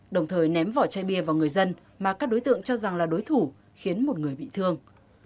đồng thời ném vỏ chai bia vào người dân mà các đối tượng cho rằng là đối thủ khiến một người bị thương